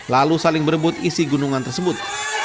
lalu saling berebut isi gunungan tersebut